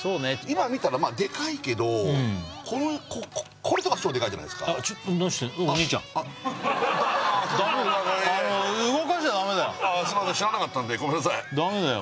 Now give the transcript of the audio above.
今見たらまあデカいけどうんこれとかすごいデカいじゃないですかあっちょっと何してんのあっダメダメああすいません知らなかったんでごめんなさいダメだよ